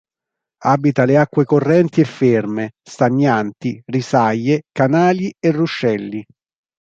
Abita le acque correnti e ferme, stagnanti, risaie, canali e ruscelli.